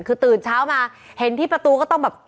คือตื่นเช้ามาเห็นที่ประตูก็ต้องแบบ